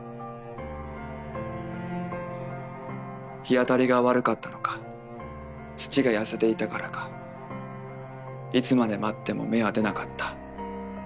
日当たりが悪かったのか土が痩せていたからかいつまで待っても芽は出なかった。